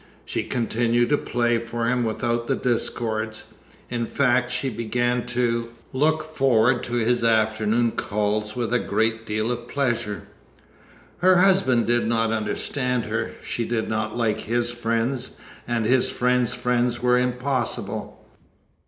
She continued to play for him without the discords. In fact, she began to look forward to his afternoon calls with a great deal of pleasure. Her husband did not understand her. She did not like his friends, and his friends' friends were impossible.